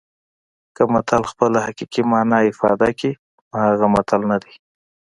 که متل خپله حقیقي مانا افاده کړي نو هغه متل نه دی